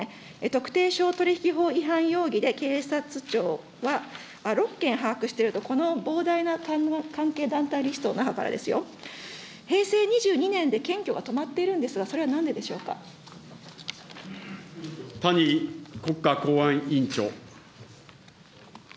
特定商取引法違反容疑で警察庁は６件把握してると、この膨大な関係団体リストの中からですよ、平成２２年で検挙は止まっているんですが、それはなんででしょう谷国家公安委員長。